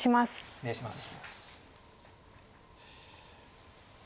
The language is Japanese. お願いします。